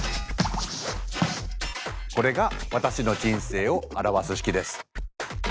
これが私の人生を表す式です。